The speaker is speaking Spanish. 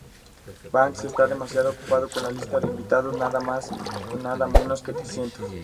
Banks está demasiado ocupado con la lista de invitados, nada menos que trescientos.